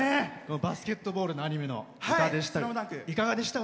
バスケットボールのアニメの歌でしたけど、いかがでした？